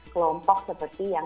kelompok seperti yang